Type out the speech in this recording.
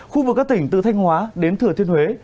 khu vực các tỉnh từ thanh hóa đến thừa thiên huế